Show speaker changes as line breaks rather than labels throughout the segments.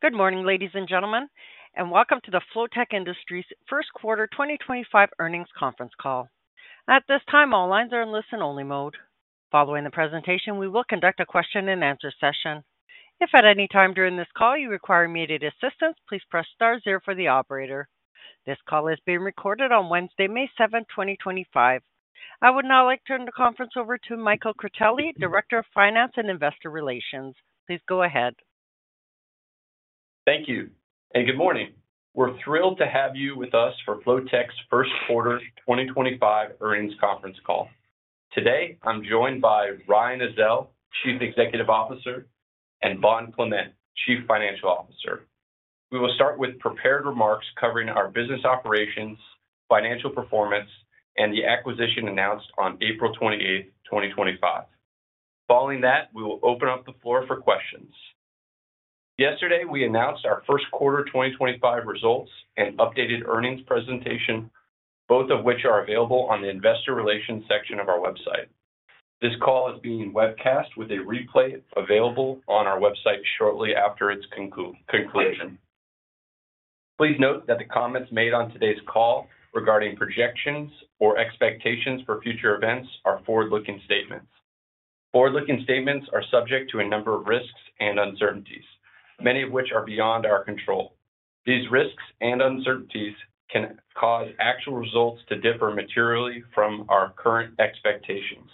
Good morning, ladies and gentlemen, and welcome to the Flotek Industries' first quarter 2025 earnings conference call. At this time, all lines are in listen-only mode. Following the presentation, we will conduct a question-and-answer session. If at any time during this call you require immediate assistance, please press star zero for the operator. This call is being recorded on Wednesday, May 7, 2025. I would now like to turn the conference over to Michael Critelli, Director of Finance and Investor Relations. Please go ahead.
Thank you and good morning. We're thrilled to have you with us for Flotek's first quarter 2025 earnings conference call. Today, I'm joined by Ryan Ezell, Chief Executive Officer, and Bond Clement, Chief Financial Officer. We will start with prepared remarks covering our business operations, financial performance, and the acquisition announced on April 28, 2025. Following that, we will open up the floor for questions. Yesterday, we announced our first quarter 2025 results and updated earnings presentation, both of which are available on the investor relations section of our website. This call is being webcast with a replay available on our website shortly after its conclusion. Please note that the comments made on today's call regarding projections or expectations for future events are forward-looking statements. Forward-looking statements are subject to a number of risks and uncertainties, many of which are beyond our control. These risks and uncertainties can cause actual results to differ materially from our current expectations.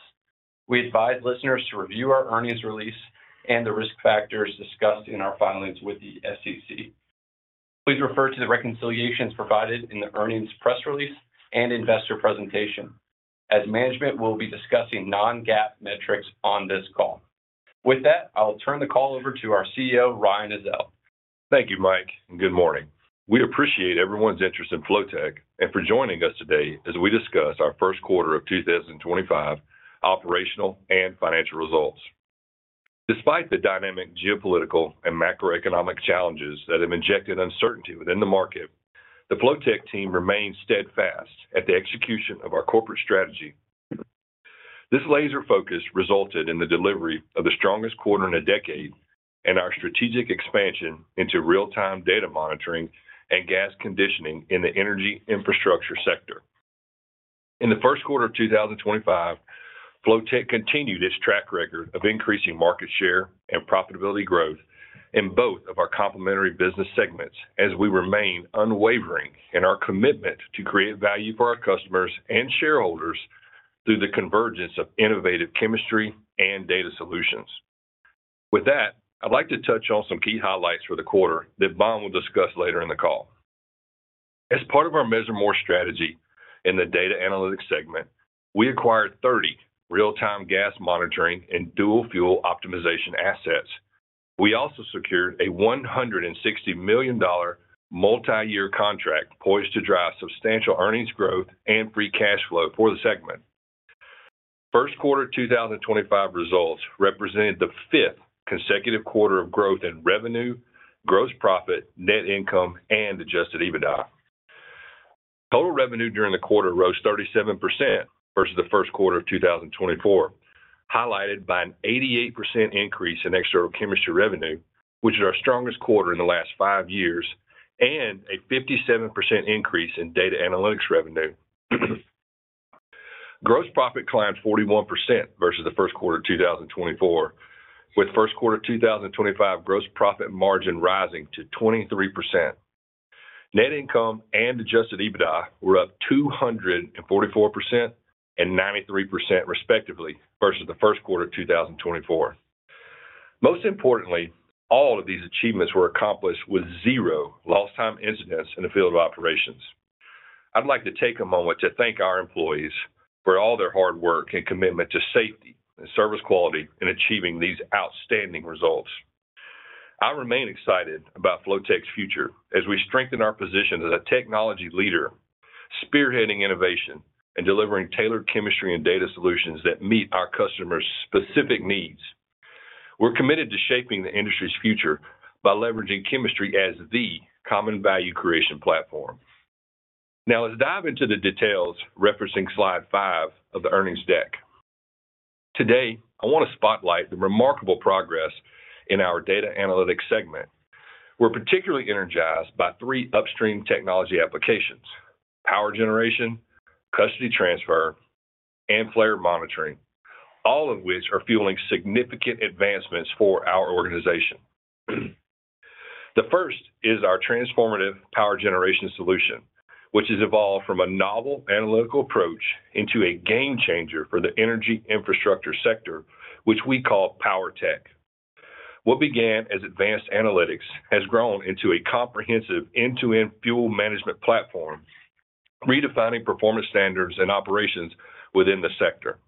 We advise listeners to review our earnings release and the risk factors discussed in our filings with the SEC. Please refer to the reconciliations provided in the earnings press release and investor presentation, as management will be discussing non-GAAP metrics on this call. With that, I'll turn the call over to our CEO, Ryan Ezell.
Thank you, Mike, and good morning. We appreciate everyone's interest in Flotek and for joining us today as we discuss our first quarter of 2025 operational and financial results. Despite the dynamic geopolitical and macroeconomic challenges that have injected uncertainty within the market, the Flotek team remains steadfast at the execution of our corporate strategy. This laser focus resulted in the delivery of the strongest quarter in a decade and our strategic expansion into real-time data monitoring and gas conditioning in the energy infrastructure sector. In the first quarter of 2025, Flotek continued its track record of increasing market share and profitability growth in both of our complementary business segments as we remain unwavering in our commitment to create value for our customers and shareholders through the convergence of innovative chemistry and data solutions. With that, I'd like to touch on some key highlights for the quarter that Bond will discuss later in the call. As part of our Measure More strategy in the Data Analytics segment, we acquired 30 real-time gas monitoring and dual-fuel optimization assets. We also secured a $160 million multi-year contract poised to drive substantial earnings growth and free cash flow for the segment. First quarter 2025 results represented the fifth consecutive quarter of growth in revenue, gross profit, net income, and adjusted EBITDA. Total revenue during the quarter rose 37% versus the first quarter of 2024, highlighted by an 88% increase in external chemistry revenue, which is our strongest quarter in the last five years, and a 57% increase in data analytics revenue. Gross profit climbed 41% versus the first quarter of 2024, with first quarter 2025 gross profit margin rising to 23%. Net income and adjusted EBITDA were up 244% and 93% respectively versus the first quarter of 2024. Most importantly, all of these achievements were accomplished with zero lost-time incidents in the field of operations. I'd like to take a moment to thank our employees for all their hard work and commitment to safety and service quality in achieving these outstanding results. I remain excited about Flotek's future as we strengthen our position as a technology leader, spearheading innovation and delivering tailored chemistry and data solutions that meet our customers' specific needs. We're committed to shaping the industry's future by leveraging chemistry as the common value creation platform. Now, let's dive into the details referencing slide five of the earnings deck. Today, I want to spotlight the remarkable progress in our Data Analytics segment. We're particularly energized by three upstream technology applications: power generation, custody transfer, and flare monitoring, all of which are fueling significant advancements for our organization. The first is our transformative power generation solution, which has evolved from a novel analytical approach into a game changer for the energy infrastructure sector, which we call PowerTech. What began as advanced analytics has grown into a comprehensive end-to-end fuel management platform, redefining performance standards and operations within the sector.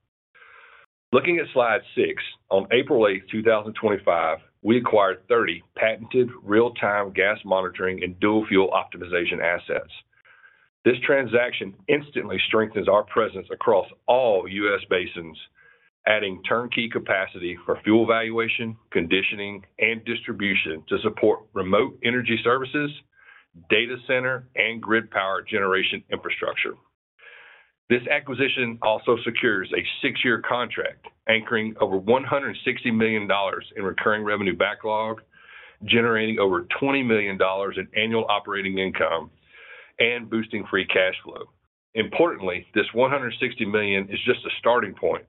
Looking at slide six, on April 8, 2025, we acquired 30 patented real-time gas monitoring and dual-fuel optimization assets. This transaction instantly strengthens our presence across all U.S. basins, adding turnkey capacity for fuel valuation, conditioning, and distribution to support remote energy services, data center, and grid power generation infrastructure. This acquisition also secures a six-year contract, anchoring over $160 million in recurring revenue backlog, generating over $20 million in annual operating income, and boosting free cash flow. Importantly, this $160 million is just a starting point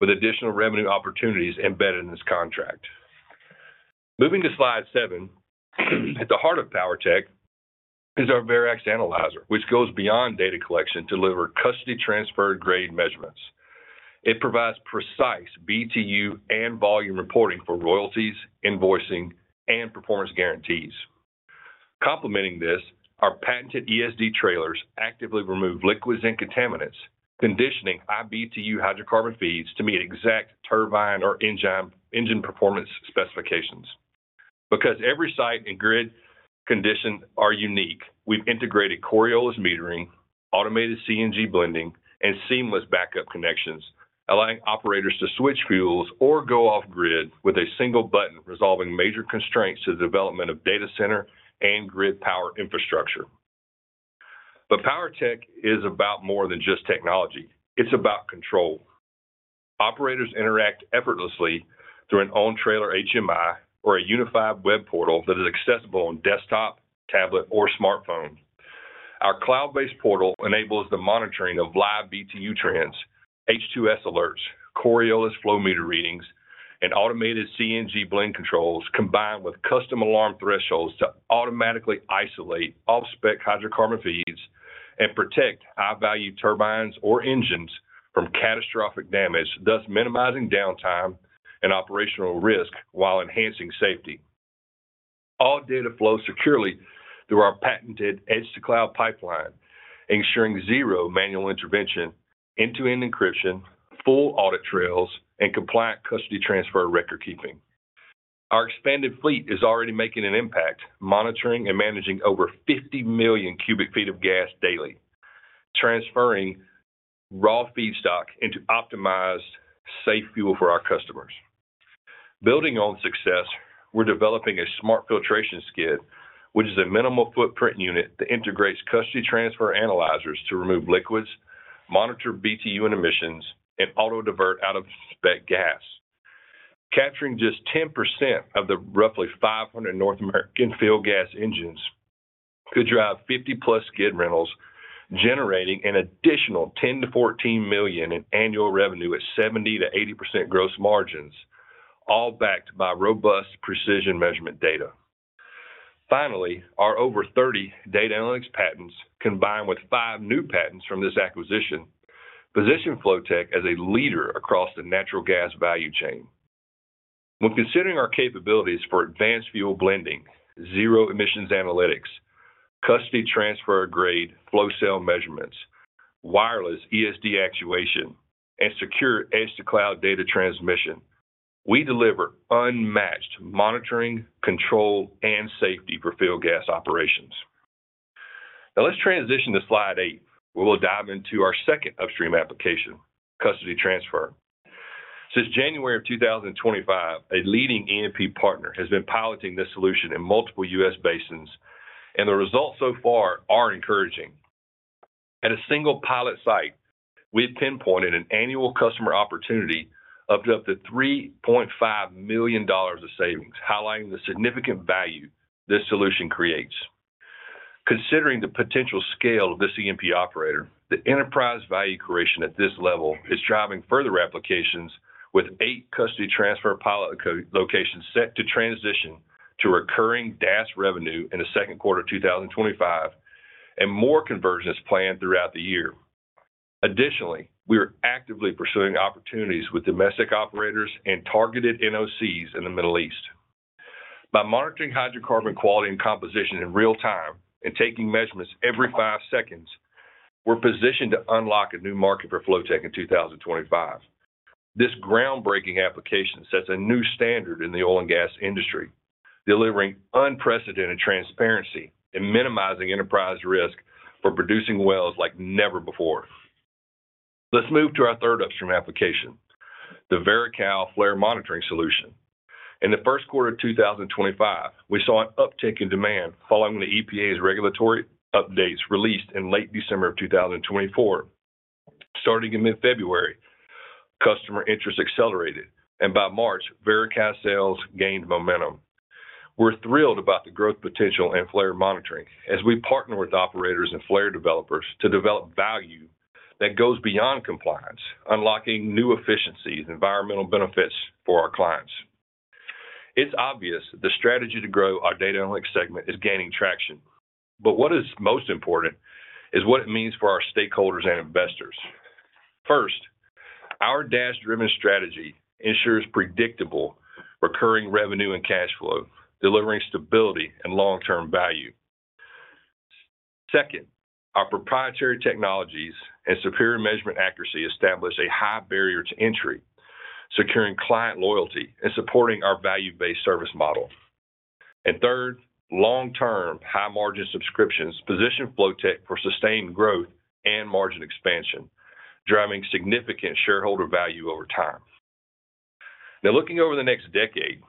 with additional revenue opportunities embedded in this contract. Moving to slide seven, at the heart of PowerTech is our Varex Analyzer, which goes beyond data collection to deliver custody transfer grade measurements. It provides precise Btu and volume reporting for royalties, invoicing, and performance guarantees. Complementing this, our patented ESD Trailers actively remove liquids and contaminants, conditioning iBtu hydrocarbon feeds to meet exact turbine or engine performance specifications. Because every site and grid condition are unique, we've integrated Coriolis metering, automated CNG blending, and seamless backup connections, allowing operators to switch fuels or go off-grid with a single button, resolving major constraints to the development of data center and grid power infrastructure. PowerTech is about more than just technology. It is about control. Operators interact effortlessly through an on-trailer HMI or a unified web portal that is accessible on desktop, tablet, or smartphone. Our cloud-based portal enables the monitoring of live Btu trends, H2S alerts, Coriolis flow meter readings, and automated CNG blend controls, combined with custom alarm thresholds to automatically isolate off-spec hydrocarbon feeds and protect high-value turbines or engines from catastrophic damage, thus minimizing downtime and operational risk while enhancing safety. All data flows securely through our patented edge-to-cloud pipeline, ensuring zero manual intervention, end-to-end encryption, full audit trails, and compliant custody transfer record keeping. Our expanded fleet is already making an impact, monitoring and managing over 50 million cubic feet of gas daily, transferring raw feedstock into optimized, safe fuel for our customers. Building on success, we're developing a smart filtration skid, which is a minimal footprint unit that integrates custody transfer analyzers to remove liquids, monitor Btu and emissions, and auto-divert out-of-spec gas. Capturing just 10% of the roughly 500 North American fuel gas engines could drive 50-plus skid rentals, generating an additional $10 million-$14 million in annual revenue at 70%-80% gross margins, all backed by robust precision measurement data. Finally, our over 30 data analytics patents, combined with five new patents from this acquisition, position Flotek as a leader across the natural gas value chain. When considering our capabilities for advanced fuel blending, zero-emissions analytics, custody transfer grade, flow cell measurements, wireless ESD actuation, and secure edge-to-cloud data transmission, we deliver unmatched monitoring, control, and safety for fuel gas operations. Now, let's transition to slide eight, where we'll dive into our second upstream application, custody transfer. Since January of 2025, a leading E&P partner has been piloting this solution in multiple U.S. basins, and the results so far are encouraging. At a single pilot site, we've pinpointed an annual customer opportunity of up to $3.5 million of savings, highlighting the significant value this solution creates. Considering the potential scale of this E&P operator, the enterprise value creation at this level is driving further applications, with eight custody transfer pilot locations set to transition to recurring DAS revenue in the second quarter of 2025, and more conversions planned throughout the year. Additionally, we are actively pursuing opportunities with domestic operators and targeted NOCs in the Middle East. By monitoring hydrocarbon quality and composition in real time and taking measurements every five seconds, we're positioned to unlock a new market for Flotek in 2025. This groundbreaking application sets a new standard in the oil and gas industry, delivering unprecedented transparency and minimizing enterprise risk for producing wells like never before. Let's move to our third upstream application, the Varex Flare Monitoring Solution. In the first quarter of 2025, we saw an uptick in demand following the EPA's regulatory updates released in late December of 2024. Starting in mid-February, customer interest accelerated, and by March, Varex sales gained momentum. We're thrilled about the growth potential in flare monitoring as we partner with operators and flare developers to develop value that goes beyond compliance, unlocking new efficiencies and environmental benefits for our clients. It's obvious that the strategy to grow our Data Analytics segment is gaining traction, but what is most important is what it means for our stakeholders and investors. First, our DAS-driven strategy ensures predictable recurring revenue and cash flow, delivering stability and long-term value. Second, our proprietary technologies and superior measurement accuracy establish a high barrier to entry, securing client loyalty and supporting our value-based service model. Third, long-term high-margin subscriptions position Flotek for sustained growth and margin expansion, driving significant shareholder value over time. Now, looking over the next decade,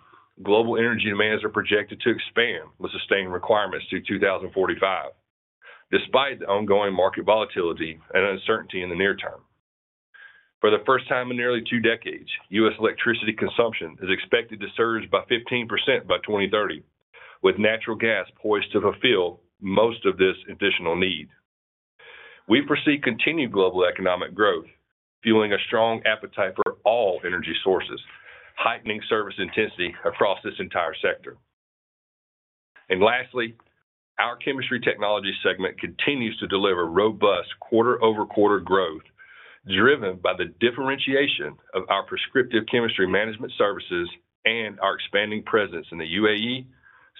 global energy demands are projected to expand with sustained requirements through 2045, despite the ongoing market volatility and uncertainty in the near term. For the first time in nearly two decades, U.S. electricity consumption is expected to surge by 15% by 2030, with natural gas poised to fulfill most of this additional need. We foresee continued global economic growth, fueling a strong appetite for all energy sources, heightening service intensity across this entire sector. Lastly, our Chemistry Technology segment continues to deliver robust quarter-over-quarter growth, driven by the differentiation of our prescriptive chemistry management services and our expanding presence in the UAE,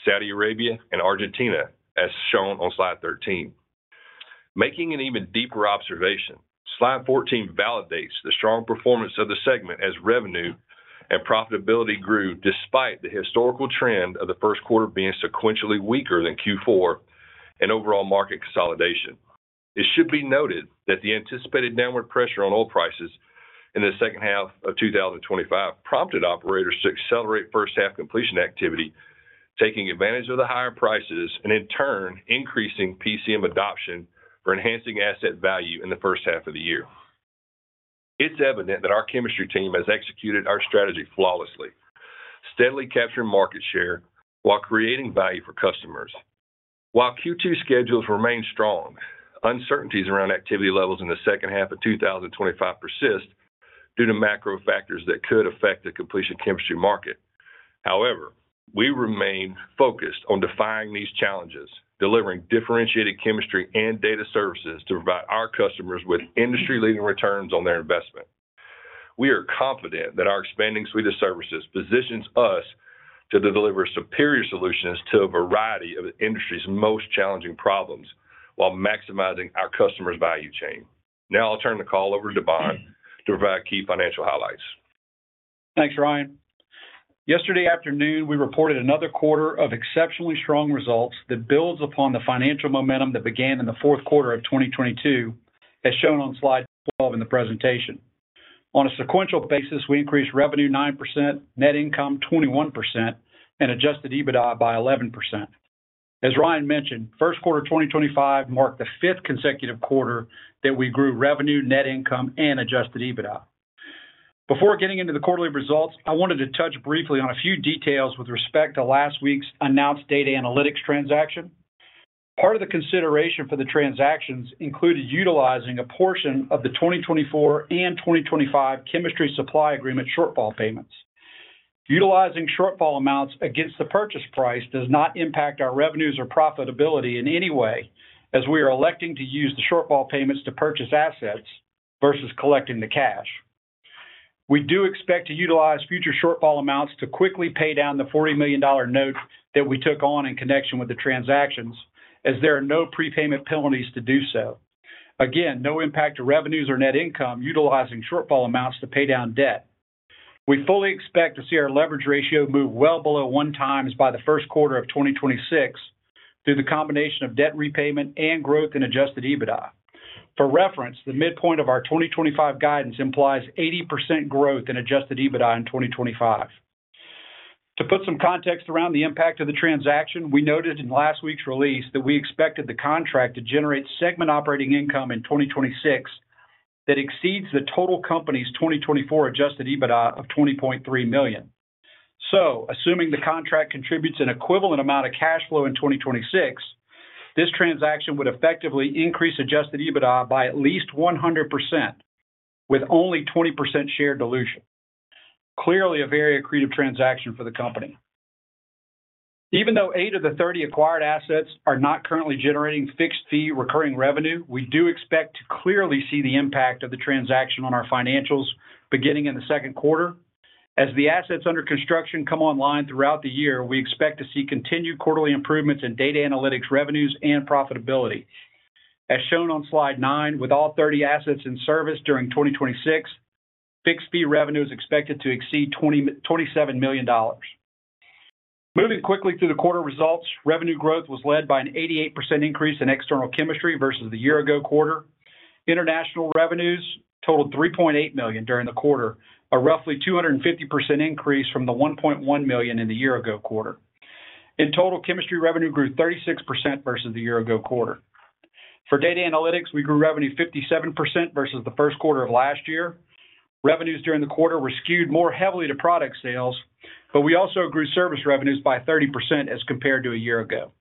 Saudi Arabia, and Argentina, as shown on slide 13. Making an even deeper observation, slide 14 validates the strong performance of the segment as revenue and profitability grew despite the historical trend of the first quarter being sequentially weaker than Q4 and overall market consolidation. It should be noted that the anticipated downward pressure on oil prices in the second half of 2025 prompted operators to accelerate first-half completion activity, taking advantage of the higher prices and, in turn, increasing PCM adoption for enhancing asset value in the first half of the year. It's evident that our chemistry team has executed our strategy flawlessly, steadily capturing market share while creating value for customers. While Q2 schedules remain strong, uncertainties around activity levels in the second half of 2025 persist due to macro factors that could affect the completion chemistry market. However, we remain focused on defying these challenges, delivering differentiated chemistry and data services to provide our customers with industry-leading returns on their investment. We are confident that our expanding suite of services positions us to deliver superior solutions to a variety of the industry's most challenging problems while maximizing our customers' value chain. Now, I'll turn the call over to Bond to provide key financial highlights.
Thanks, Ryan. Yesterday afternoon, we reported another quarter of exceptionally strong results that builds upon the financial momentum that began in the fourth quarter of 2022, as shown on slide 12 in the presentation. On a sequential basis, we increased revenue 9%, net income 21%, and adjusted EBITDA by 11%. As Ryan mentioned, first quarter 2025 marked the fifth consecutive quarter that we grew revenue, net income, and adjusted EBITDA. Before getting into the quarterly results, I wanted to touch briefly on a few details with respect to last week's announced data analytics transaction. Part of the consideration for the transactions included utilizing a portion of the 2024 and 2025 chemistry supply agreement shortfall payments. Utilizing shortfall amounts against the purchase price does not impact our revenues or profitability in any way, as we are electing to use the shortfall payments to purchase assets versus collecting the cash. We do expect to utilize future shortfall amounts to quickly pay down the $40 million note that we took on in connection with the transactions, as there are no prepayment penalties to do so. Again, no impact to revenues or net income utilizing shortfall amounts to pay down debt. We fully expect to see our leverage ratio move well below one times by the first quarter of 2026 through the combination of debt repayment and growth in adjusted EBITDA. For reference, the midpoint of our 2025 guidance implies 80% growth in adjusted EBITDA in 2025. To put some context around the impact of the transaction, we noted in last week's release that we expected the contract to generate segment operating income in 2026 that exceeds the total company's 2024 adjusted EBITDA of $20.3 million. Assuming the contract contributes an equivalent amount of cash flow in 2026, this transaction would effectively increase adjusted EBITDA by at least 100%, with only 20% share dilution. Clearly a very accretive transaction for the company. Even though eight of the 30 acquired assets are not currently generating fixed-fee recurring revenue, we do expect to clearly see the impact of the transaction on our financials beginning in the second quarter. As the assets under construction come online throughout the year, we expect to see continued quarterly improvements in data analytics revenues and profitability. As shown on slide nine, with all 30 assets in service during 2026, fixed-fee revenues expected to exceed $27 million. Moving quickly through the quarter results, revenue growth was led by an 88% increase in external chemistry versus the year-ago quarter. International revenues totaled $3.8 million during the quarter, a roughly 250% increase from the $1.1 million in the year-ago quarter. In total, chemistry revenue grew 36% versus the year-ago quarter. For data analytics, we grew revenue 57% versus the first quarter of last year. Revenues during the quarter were skewed more heavily to product sales, but we also grew service revenues by 30% as compared to a year ago.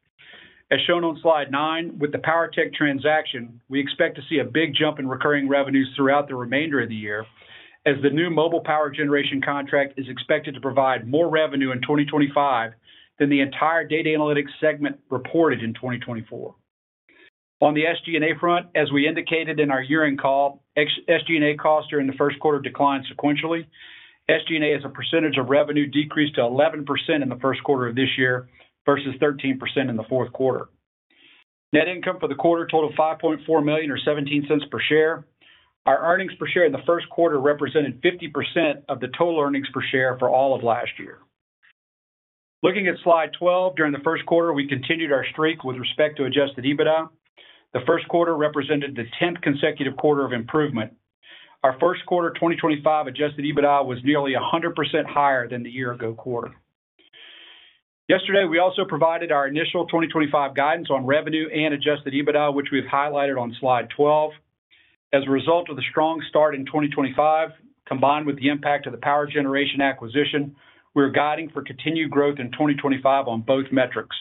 As shown on slide nine, with the PowerTech transaction, we expect to see a big jump in recurring revenues throughout the remainder of the year, as the new mobile power generation contract is expected to provide more revenue in 2025 than the entire Data Analytics segment reported in 2024. On the SG&A front, as we indicated in our year-end call, SG&A costs during the first quarter declined sequentially. SG&A as a percentage of revenue decreased to 11% in the first quarter of this year versus 13% in the fourth quarter. Net income for the quarter totaled $5.4 million or 17 cents per share. Our earnings per share in the first quarter represented 50% of the total earnings per share for all of last year. Looking at slide 12, during the first quarter, we continued our streak with respect to adjusted EBITDA. The first quarter represented the 10th consecutive quarter of improvement. Our first quarter 2025 adjusted EBITDA was nearly 100% higher than the year-ago quarter. Yesterday, we also provided our initial 2025 guidance on revenue and adjusted EBITDA, which we've highlighted on slide 12. As a result of the strong start in 2025, combined with the impact of the power generation acquisition, we are guiding for continued growth in 2025 on both metrics.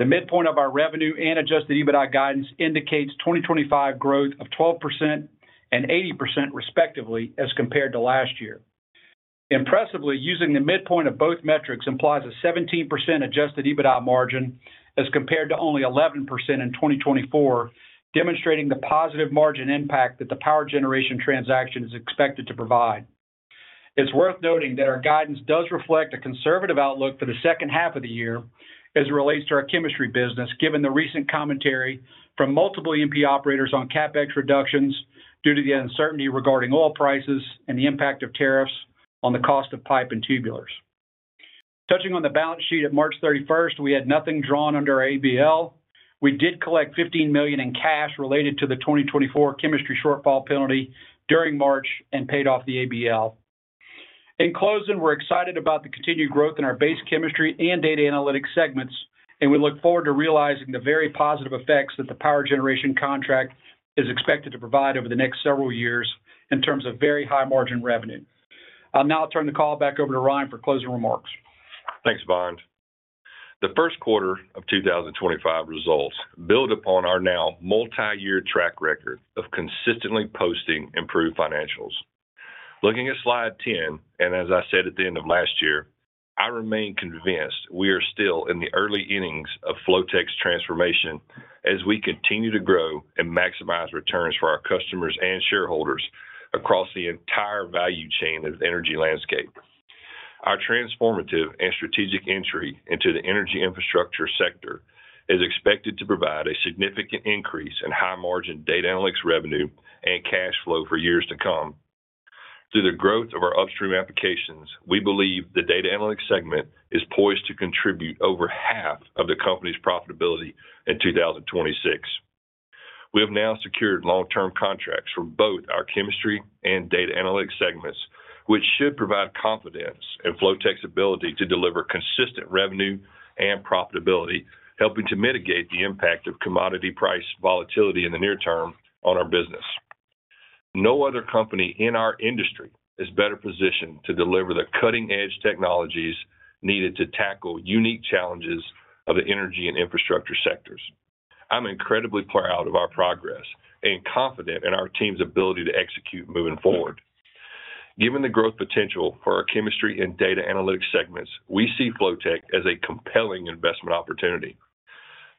The midpoint of our revenue and adjusted EBITDA guidance indicates 2025 growth of 12% and 80% respectively as compared to last year. Impressively, using the midpoint of both metrics implies a 17% adjusted EBITDA margin as compared to only 11% in 2024, demonstrating the positive margin impact that the power generation transaction is expected to provide. It's worth noting that our guidance does reflect a conservative outlook for the second half of the year as it relates to our chemistry business, given the recent commentary from multiple E&P operators on CapEx reductions due to the uncertainty regarding oil prices and the impact of tariffs on the cost of pipe and tubulars. Touching on the balance sheet at March 31, we had nothing drawn under our ABL. We did collect $15 million in cash related to the 2024 chemistry shortfall penalty during March and paid off the ABL. In closing, we're excited about the continued growth in our base chemistry and Data Analytics segments, and we look forward to realizing the very positive effects that the power generation contract is expected to provide over the next several years in terms of very high margin revenue. I'll now turn the call back over to Ryan for closing remarks.
Thanks, Bond. The first quarter of 2025 results build upon our now multi-year track record of consistently posting improved financials. Looking at slide 10, and as I said at the end of last year, I remain convinced we are still in the early innings of Flotek's transformation as we continue to grow and maximize returns for our customers and shareholders across the entire value chain of the energy landscape. Our transformative and strategic entry into the energy infrastructure sector is expected to provide a significant increase in high-margin data analytics revenue and cash flow for years to come. Through the growth of our upstream applications, we believe the Data Analytics segment is poised to contribute over half of the company's profitability in 2026. We have now secured long-term contracts for both our chemistry and Data Analytics segments, which should provide confidence in Flotek's ability to deliver consistent revenue and profitability, helping to mitigate the impact of commodity price volatility in the near term on our business. No other company in our industry is better positioned to deliver the cutting-edge technologies needed to tackle unique challenges of the energy and infrastructure sectors. I'm incredibly proud of our progress and confident in our team's ability to execute moving forward. Given the growth potential for our chemistry and Data Analytics segments, we see Flotek as a compelling investment opportunity.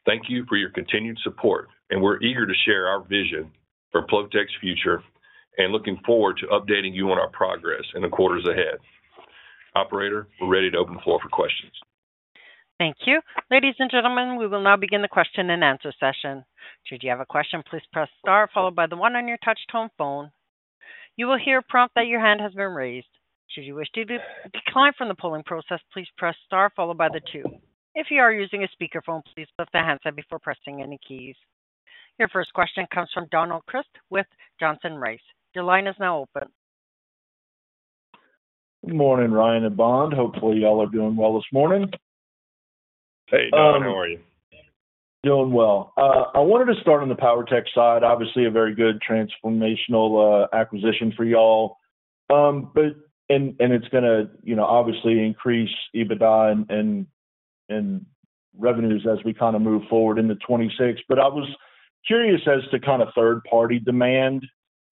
Thank you for your continued support, and we're eager to share our vision for Flotek's future and looking forward to updating you on our progress in the quarters ahead. Operator, we're ready to open the floor for questions.
Thank you. Ladies and gentlemen, we will now begin the question and answer session. Should you have a question, please press star followed by the one on your touch-tone phone. You will hear a prompt that your hand has been raised. Should you wish to decline from the polling process, please press star followed by the two. If you are using a speakerphone, please lift the hands before pressing any keys. Your first question comes from Donald Crisp with Johnson Rice. Your line is now open.
Good morning, Ryan and Bond. Hopefully, y'all are doing well this morning.
Hey, Donald. How are you?
Doing well. I wanted to start on the PowerTech side. Obviously, a very good transformational acquisition for y'all. It's going to obviously increase EBITDA and revenues as we kind of move forward into 2026. I was curious as to kind of third-party demand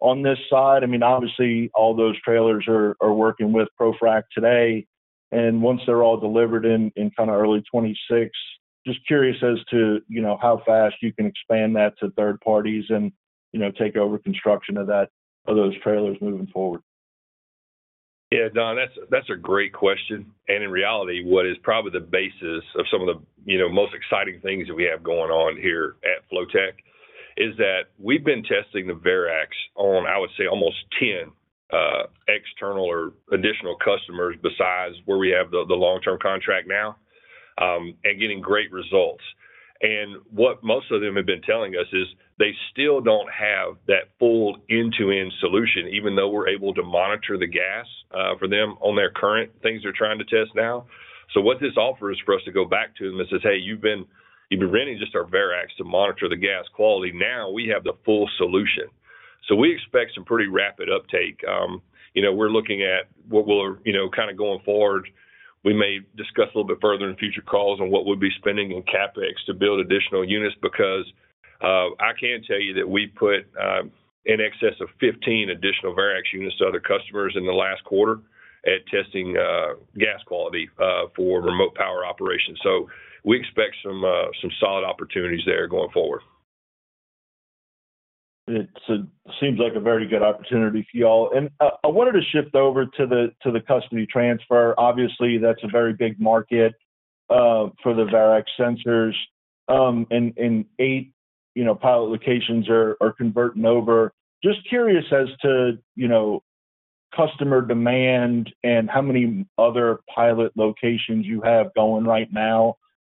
on this side. I mean, obviously, all those trailers are working with ProFrac today. Once they're all delivered in kind of early 2026, just curious as to how fast you can expand that to third parties and take over construction of those trailers moving forward.
Yeah, Don, that's a great question. In reality, what is probably the basis of some of the most exciting things that we have going on here at Flotek is that we've been testing the Varex on, I would say, almost 10 external or additional customers besides where we have the long-term contract now and getting great results. What most of them have been telling us is they still don't have that full end-to-end solution, even though we're able to monitor the gas for them on their current things they're trying to test now. What this offers for us to go back to them is, hey, you've been renting just our Varex to monitor the gas quality. Now we have the full solution. We expect some pretty rapid uptake. We're looking at what we're kind of going forward. We may discuss a little bit further in future calls on what we'll be spending in CapEx to build additional units because I can tell you that we put in excess of 15 additional Varex units to other customers in the last quarter at testing gas quality for remote power operations. We expect some solid opportunities there going forward.
It seems like a very good opportunity for y'all. I wanted to shift over to the custody transfer. Obviously, that's a very big market for the Varex sensors. Eight pilot locations are converting over. Just curious as to customer demand and how many other pilot locations you have going right now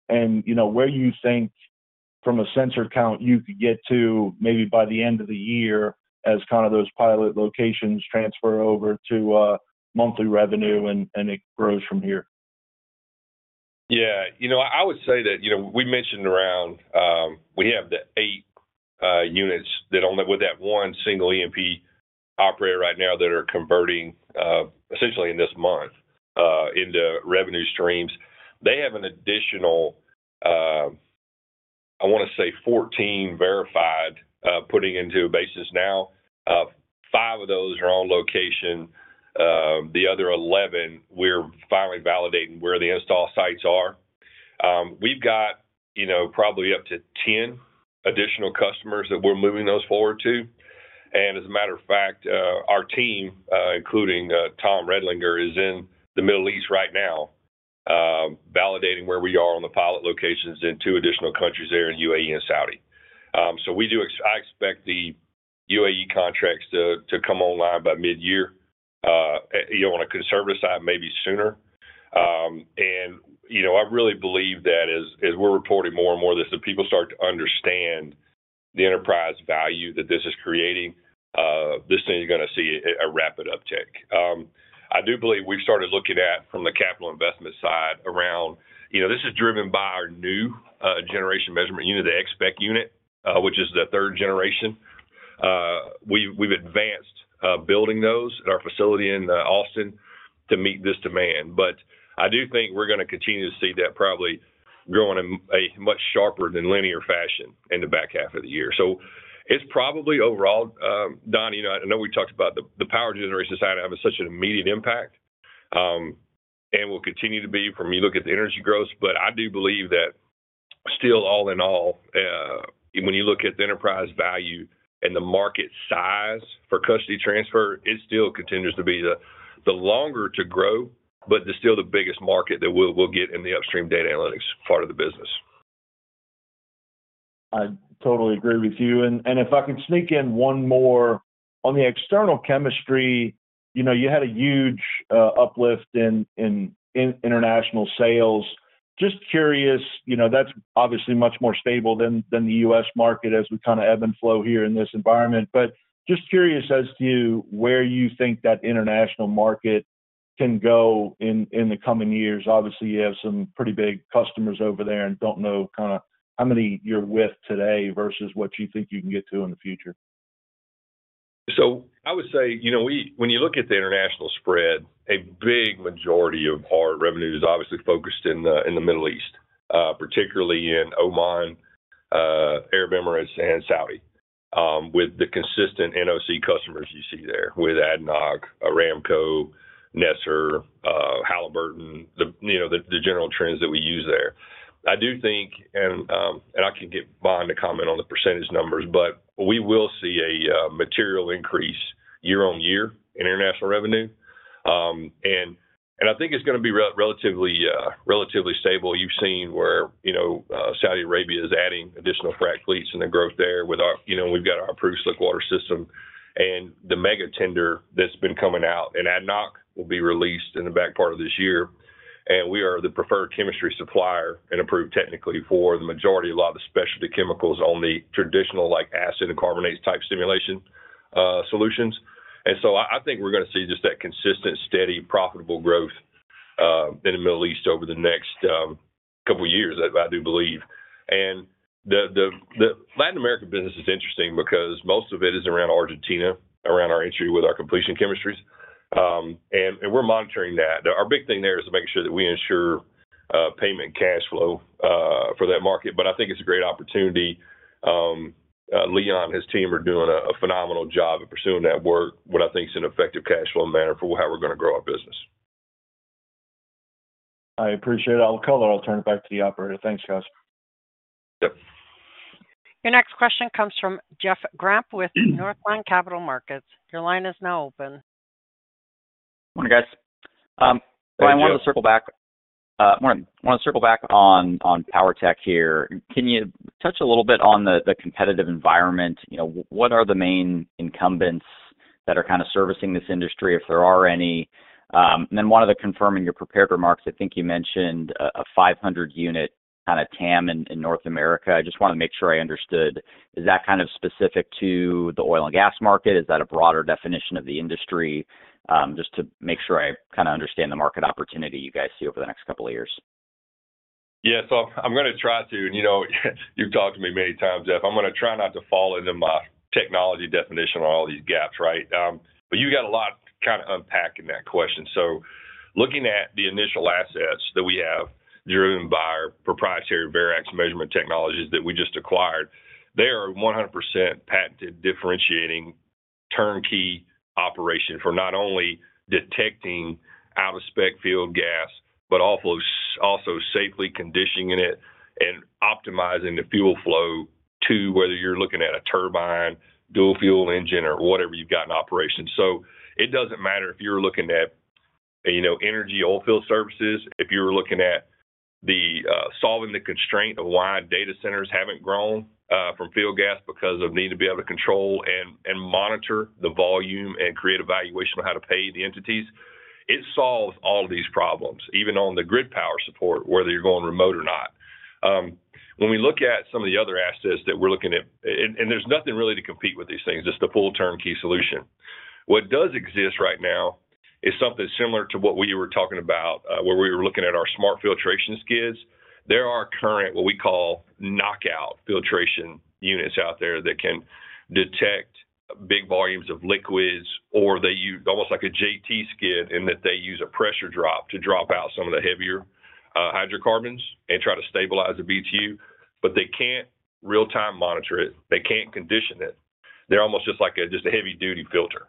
and where you think from a sensor count you could get to maybe by the end of the year as kind of those pilot locations transfer over to monthly revenue and it grows from here.
Yeah. I would say that we mentioned around we have the eight units that only with that one single E&P operator right now that are converting essentially in this month into revenue streams. They have an additional, I want to say, 14 verified putting into a basis now. Five of those are on location. The other 11, we're finally validating where the install sites are. We've got probably up to 10 additional customers that we're moving those forward to. As a matter of fact, our team, including Tom Redlinger, is in the Middle East right now validating where we are on the pilot locations in two additional countries there in UAE and Saudi. I expect the UAE contracts to come online by mid-year on a conservative side, maybe sooner. I really believe that as we're reporting more and more this, the people start to understand the enterprise value that this is creating, this thing is going to see a rapid uptake. I do believe we've started looking at from the capital investment side around this is driven by our new generation measurement unit, the Xpect Unit, which is the third generation. We've advanced building those at our facility in Austin to meet this demand. I do think we're going to continue to see that probably growing in a much sharper than linear fashion in the back half of the year. It's probably overall, Don, I know we talked about the power generation side having such an immediate impact. We'll continue to be, from you look at the energy growth. I do believe that still all in all, when you look at the enterprise value and the market size for custody transfer, it still continues to be the longer to grow, but still the biggest market that we'll get in the upstream data analytics part of the business.
I totally agree with you. If I can sneak in one more on the external chemistry, you had a huge uplift in international sales. Just curious, that's obviously much more stable than the U.S. market as we kind of ebb and flow here in this environment. Just curious as to where you think that international market can go in the coming years. Obviously, you have some pretty big customers over there and don't know kind of how many you're with today versus what you think you can get to in the future.
I would say when you look at the international spread, a big majority of our revenue is obviously focused in the Middle East, particularly in Oman, United Arab Emirates, and Saudi with the consistent NOC customers you see there with ADNOC, Aramco, NESR, Halliburton, the general trends that we use there. I do think, and I can get Bond to comment on the percentage numbers, but we will see a material increase year on year in international revenue. I think it's going to be relatively stable. You've seen where Saudi Arabia is adding additional frac fleets and the growth there with our approved slickwater system and the mega tender that's been coming out. ADNOC will be released in the back part of this year. We are the preferred chemistry supplier and approved technically for the majority of a lot of the specialty chemicals on the traditional acid and carbonate type stimulation solutions. I think we're going to see just that consistent, steady, profitable growth in the Middle East over the next couple of years, I do believe. The Latin American business is interesting because most of it is around Argentina, around our entry with our completion chemistries. We're monitoring that. Our big thing there is to make sure that we ensure payment cash flow for that market. I think it's a great opportunity. Leon and his team are doing a phenomenal job of pursuing that work, what I think is an effective cash flow manner for how we're going to grow our business.
I appreciate it. I'll turn it back to the operator. Thanks, guys.
Your next question comes from Jeff Grampp with Northland Capital Markets. Your line is now open.
Morning, guys. I want to circle back.
Morning.
I want to circle back on PowerTech here. Can you touch a little bit on the competitive environment? What are the main incumbents that are kind of servicing this industry, if there are any? I wanted to confirm in your prepared remarks, I think you mentioned a 500-unit kind of TAM in North America. I just want to make sure I understood. Is that kind of specific to the oil and gas market? Is that a broader definition of the industry? Just to make sure I kind of understand the market opportunity you guys see over the next couple of years.
Yeah. I'm going to try to, and you've talked to me many times, Jeff, I'm going to try not to fall into my technology definition on all these gaps, right? You've got a lot kind of unpacked in that question. Looking at the initial assets that we have driven by our proprietary Varex measurement technologies that we just acquired, they are 100% patented differentiating turnkey operation for not only detecting out-of-spec field gas, but also safely conditioning it and optimizing the fuel flow to whether you're looking at a turbine, dual fuel engine, or whatever you've got in operation. It doesn't matter if you're looking at energy oil field services, if you're looking at solving the constraint of why data centers haven't grown from field gas because of need to be able to control and monitor the volume and create a valuation on how to pay the entities. It solves all of these problems, even on the grid power support, whether you're going remote or not. When we look at some of the other assets that we're looking at, and there's nothing really to compete with these things, just the full turnkey solution. What does exist right now is something similar to what we were talking about, where we were looking at our smart filtration skids. There are current what we call knockout filtration units out there that can detect big volumes of liquids, or they use almost like a JT skid in that they use a pressure drop to drop out some of the heavier hydrocarbons and try to stabilize the Btu. They cannot real-time monitor it. They cannot condition it. They are almost just like just a heavy-duty filter.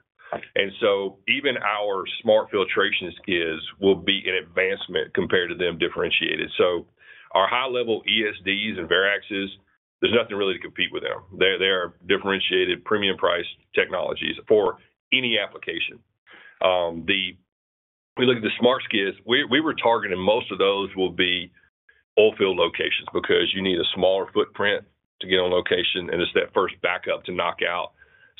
Even our smart filtration skids will be an advancement compared to them, differentiated. Our high-level ESDs and Varexes, there is nothing really to compete with them. They are differentiated, premium-priced technologies for any application. We look at the smart skids. We were targeting most of those will be oil field locations because you need a smaller footprint to get on location. It is that first backup to knock out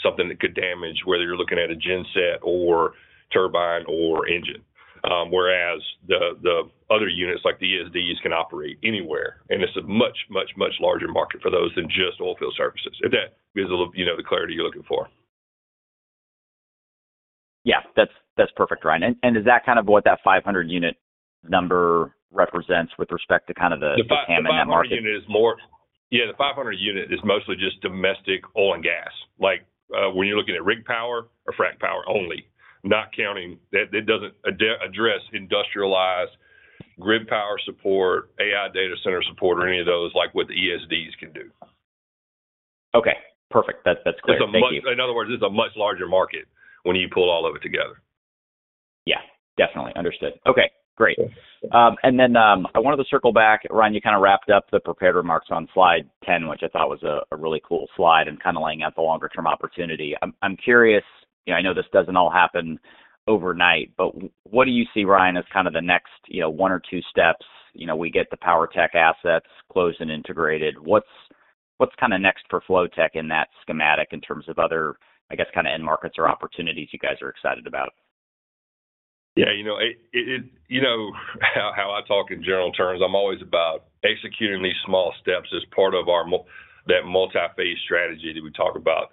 something that could damage whether you are looking at a genset or turbine or engine. Whereas the other units like the ESDs can operate anywhere. It is a much, much, much larger market for those than just oil field services. If that gives you the clarity you are looking for.
Yeah. That is perfect, Ryan. Is that kind of what that 500-unit number represents with respect to the TAM in that market? The 500-unit is more,
yeah, the 500-unit is mostly just domestic oil and gas. When you are looking at rig power or frac power only, not counting, that does not address industrialized grid power support, AI data center support, or any of those like what the ESDs can do.
Okay. Perfect. That is clear.
In other words, it is a much larger market when you pull all of it together.
Yeah. Definitely. Understood. Okay. Great. I wanted to circle back, Ryan, you kind of wrapped up the prepared remarks on slide 10, which I thought was a really cool slide and kind of laying out the longer-term opportunity. I'm curious, I know this does not all happen overnight, but what do you see, Ryan, as kind of the next one or two steps? We get the PowerTech assets closed and integrated. What's kind of next for Flotek in that schematic in terms of other, I guess, kind of end markets or opportunities you guys are excited about?
Yeah. You know how I talk in general terms, I'm always about executing these small steps as part of that multi-phase strategy that we talk about.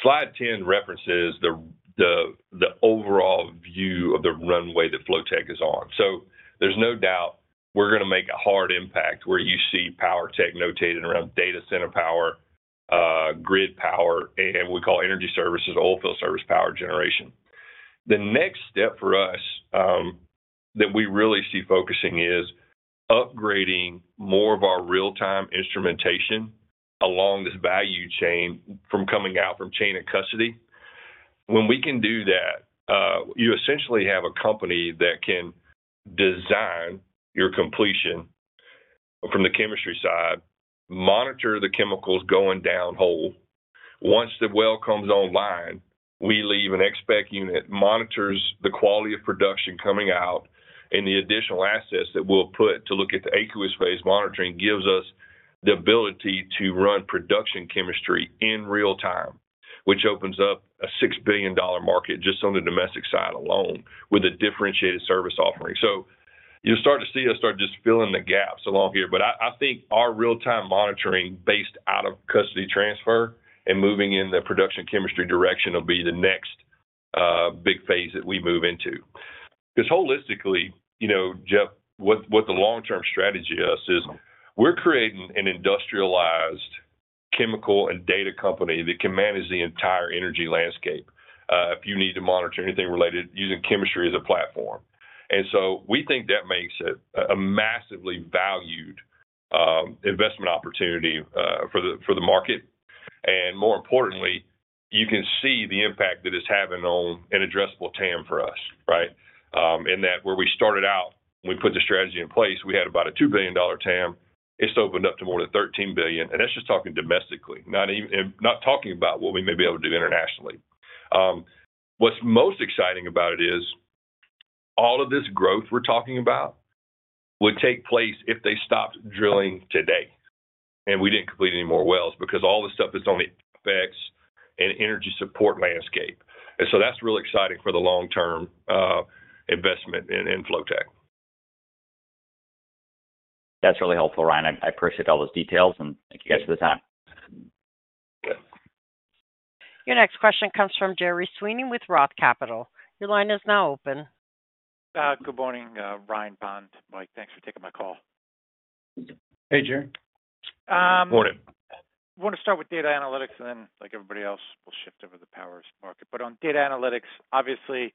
Slide 10 references the overall view of the runway that Flotek is on. There's no doubt we're going to make a hard impact where you see PowerTech notated around data center power, grid power, and we call energy services, oil field service power generation. The next step for us that we really see focusing is upgrading more of our real-time instrumentation along this value chain from coming out from chain of custody. When we can do that, you essentially have a company that can design your completion from the chemistry side, monitor the chemicals going downhole. Once the well comes online, we leave an Xpect Unit monitors the quality of production coming out. The additional assets that we'll put to look at the aqueous phase monitoring gives us the ability to run production chemistry in real time, which opens up a $6 billion market just on the domestic side alone with a differentiated service offering. You'll start to see us start just filling the gaps along here. I think our real-time monitoring based out of custody transfer and moving in the production chemistry direction will be the next big phase that we move into. Because holistically, Jeff, what the long-term strategy is, we're creating an industrialized chemical and data company that can manage the entire energy landscape if you need to monitor anything related using chemistry as a platform. We think that makes it a massively valued investment opportunity for the market. More importantly, you can see the impact that it's having on an addressable TAM for us, right? In that where we started out, we put the strategy in place, we had about a $2 billion TAM. It's opened up to more than $13 billion. That is just talking domestically, not talking about what we may be able to do internationally. What is most exciting about it is all of this growth we are talking about would take place if they stopped drilling today and we did not complete any more wells because all the stuff that is on the FX and energy support landscape. That is really exciting for the long-term investment in Flotek.
That is really helpful, Ryan. I appreciate all those details and thank you guys for the time.
Your next question comes from Gerry Sweeney with Roth Capital. Your line is now open.
Good morning, Ryan, Bond, Mike, thanks for taking my call.
Hey, Gerry.
Morning.
I want to start with data analytics and then like everybody else, we will shift over to the power market. On data analytics, obviously,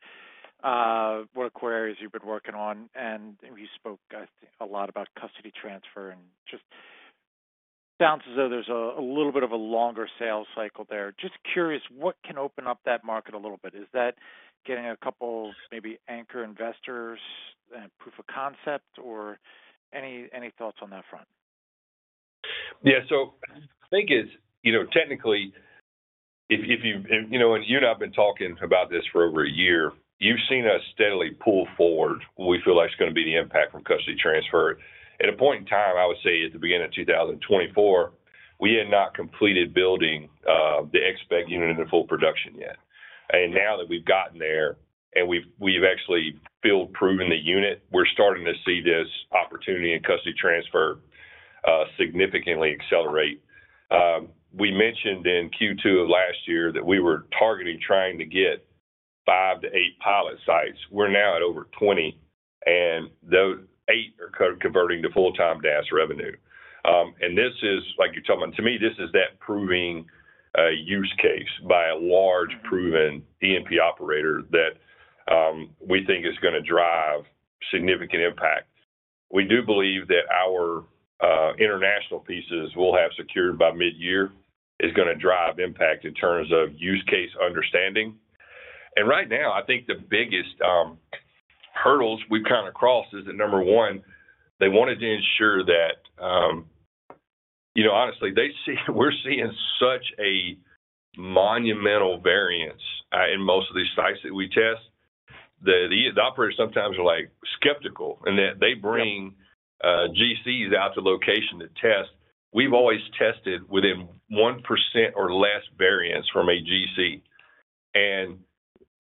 what are the core areas you have been working on? You spoke a lot about custody transfer and it just sounds as though there's a little bit of a longer sales cycle there. Just curious, what can open up that market a little bit? Is that getting a couple maybe anchor investors and proof of concept or any thoughts on that front?
Yeah. The thing is, technically, if you and I have been talking about this for over a year, you've seen us steadily pull forward. We feel like it's going to be the impact from custody transfer. At a point in time, I would say at the beginning of 2024, we had not completed building the Xpect Unit into full production yet. Now that we've gotten there and we've actually field proven the unit, we're starting to see this opportunity in custody transfer significantly accelerate. We mentioned in Q2 of last year that we were targeting trying to get five to eight pilot sites. We're now at over 20, and those eight are converting to full-time DAS revenue. This is, like you're talking to me, this is that proving use case by a large proven E&P operator that we think is going to drive significant impact. We do believe that our international pieces we'll have secured by mid-year is going to drive impact in terms of use case understanding. Right now, I think the biggest hurdles we've kind of crossed is that number one, they wanted to ensure that honestly, we're seeing such a monumental variance in most of these sites that we test. The operators sometimes are skeptical in that they bring GCs out to location to test. We've always tested within 1% or less variance from a GC.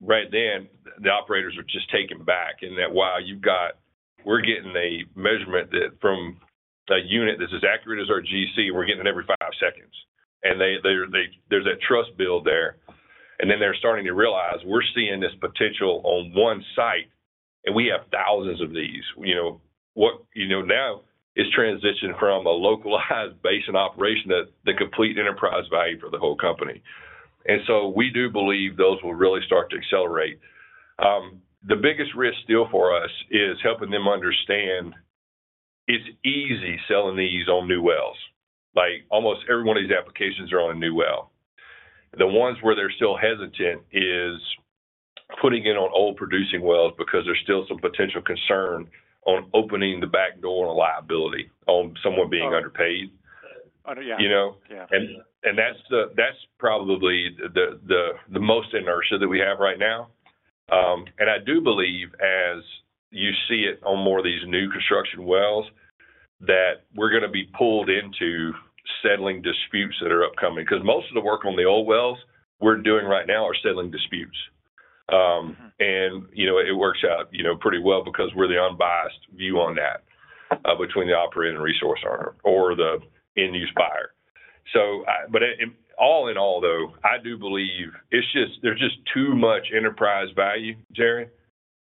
Right then, the operators are just taken back in that, wow, we're getting a measurement from a unit that's as accurate as our GC we're getting every five seconds. There's that trust build there. They're starting to realize we're seeing this potential on one site, and we have thousands of these. Now it's transitioned from a localized basin operation to the complete enterprise value for the whole company. We do believe those will really start to accelerate. The biggest risk still for us is helping them understand it's easy selling these on new wells. Almost every one of these applications are on a new well. The ones where they're still hesitant is putting it on old producing wells because there's still some potential concern on opening the back door on liability on someone being underpaid. That is probably the most inertia that we have right now. I do believe, as you see it on more of these new construction wells, that we are going to be pulled into settling disputes that are upcoming. Most of the work on the old wells we are doing right now is settling disputes. It works out pretty well because we are the unbiased view on that between the operating resource owner or the end-use buyer. All in all, though, I do believe there is just too much enterprise value, Gerry,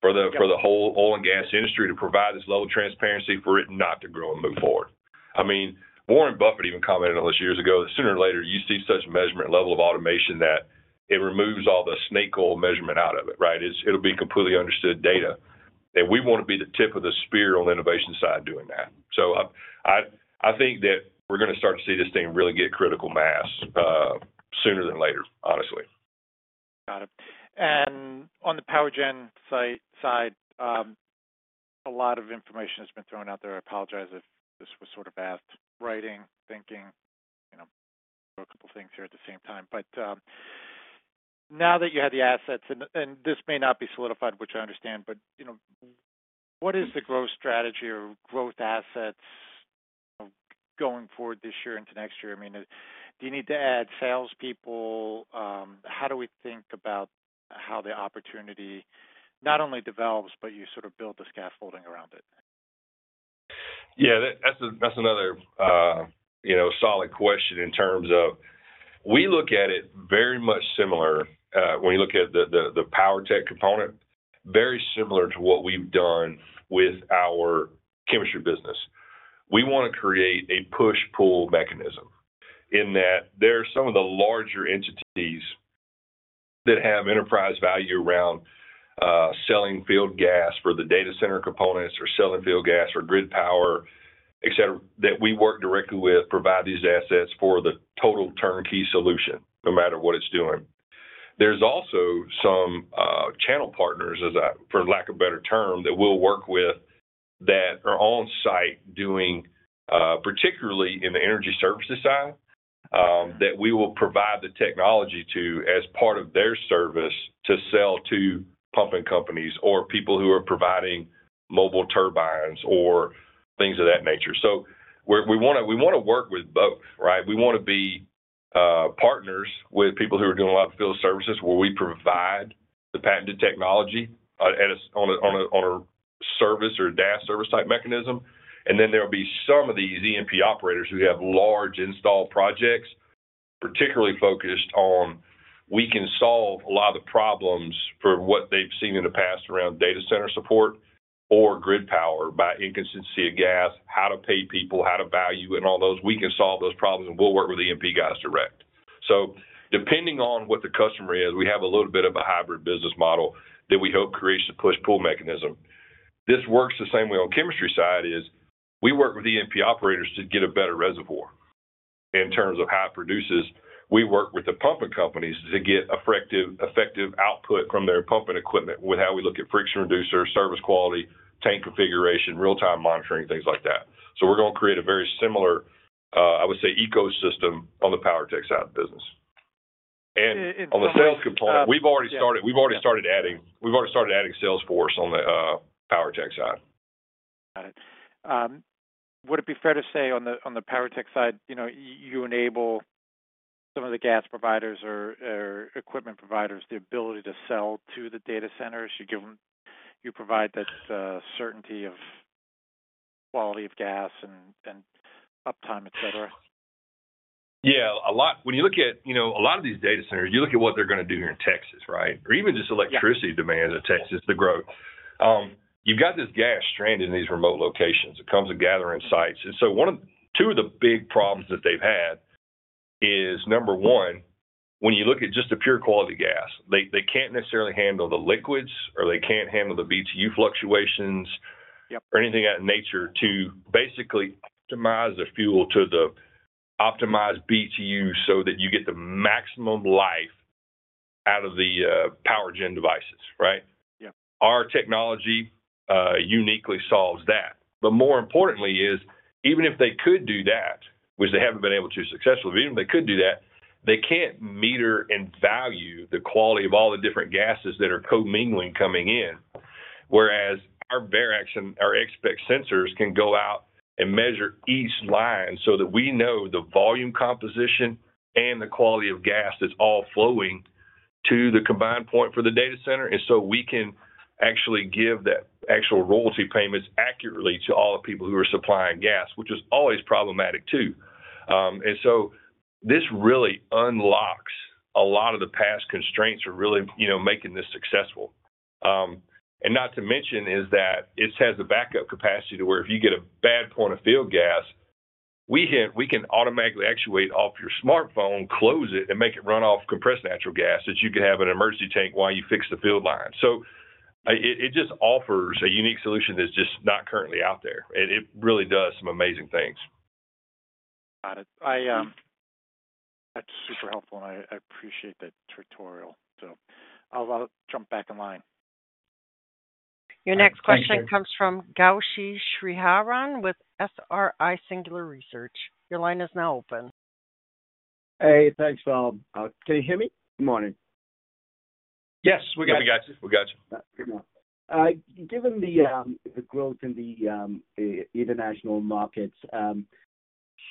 for the whole oil and gas industry to provide this level of transparency for it not to grow and move forward. I mean, Warren Buffett even commented on this years ago, sooner or later, you see such a measurement level of automation that it removes all the snake oil measurement out of it, right? It will be completely understood data. We want to be the tip of the spear on the innovation side doing that. I think that we're going to start to see this thing really get critical mass sooner than later, honestly.
Got it. On the power gen side, a lot of information has been thrown out there. I apologize if this was sort of asked, writing, thinking. I wrote a couple of things here at the same time. Now that you have the assets, and this may not be solidified, which I understand, what is the growth strategy or growth assets going forward this year into next year? I mean, do you need to add salespeople? How do we think about how the opportunity not only develops, but you sort of build the scaffolding around it?
Yeah. That's another solid question in terms of we look at it very much similar when you look at the PowerTech component, very similar to what we've done with our chemistry business. We want to create a push-pull mechanism in that there are some of the larger entities that have enterprise value around selling field gas for the data center components or selling field gas or grid power, etc., that we work directly with, provide these assets for the total turnkey solution, no matter what it's doing. There's also some channel partners, for lack of a better term, that we'll work with that are on site doing, particularly in the energy services side, that we will provide the technology to as part of their service to sell to pumping companies or people who are providing mobile turbines or things of that nature. We want to work with both, right? We want to be partners with people who are doing a lot of field services where we provide the patented technology on a service or a DAS service type mechanism. There will be some of these E&P operators who have large install projects, particularly focused on we can solve a lot of the problems for what they have seen in the past around data center support or grid power by inconsistency of gas, how to pay people, how to value it, and all those. We can solve those problems and we will work with E&P guys direct. Depending on what the customer is, we have a little bit of a hybrid business model that we hope creates a push-pull mechanism. This works the same way on chemistry side as we work with E&P operators to get a better reservoir in terms of how it produces. We work with the pumping companies to get effective output from their pumping equipment with how we look at friction reducer, service quality, tank configuration, real-time monitoring, things like that. We are going to create a very similar, I would say, ecosystem on the PowerTech side of the business. On the sales component, we have already started adding Salesforce on the PowerTech side.
Got it. Would it be fair to say on the PowerTech side, you enable some of the gas providers or equipment providers the ability to sell to the data centers? You provide that certainty of quality of gas and uptime, etc.?
Yeah. When you look at a lot of these data centers, you look at what they are going to do here in Texas, right? Or even just electricity demands in Texas to grow. You have got this gas stranded in these remote locations. It comes and gathers in sites. Two of the big problems that they've had is, number one, when you look at just the pure quality gas, they can't necessarily handle the liquids or they can't handle the Btu fluctuations or anything of that nature to basically optimize the fuel to the optimized Btu so that you get the maximum life out of the power gen devices, right? Our technology uniquely solves that. More importantly is, even if they could do that, which they haven't been able to successfully, even if they could do that, they can't meter and value the quality of all the different gases that are co-mingling coming in. Whereas our Xpect Sensors can go out and measure each line so that we know the volume composition and the quality of gas that's all flowing to the combined point for the data center. We can actually give that actual royalty payments accurately to all the people who are supplying gas, which is always problematic too. This really unlocks a lot of the past constraints of really making this successful. Not to mention it has the backup capacity to where if you get a bad point of field gas, we can automatically actuate off your smartphone, close it, and make it run off compressed natural gas that you can have in an emergency tank while you fix the field line. It just offers a unique solution that's just not currently out there. It really does some amazing things.
Got it. That's super helpful. I appreciate that tutorial. I'll jump back in line.
Your next question comes from Gowshi Sriharan with SRI Executive Search. Your line is now open.
Hey, thanks, Bond. Can you hear me?
Good morning.
Yes, we got you. We got you.
Given the growth in the international markets,